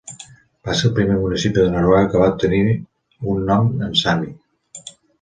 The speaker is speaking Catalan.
Va ser el primer municipi de Noruega que va obtenir un nom en sami.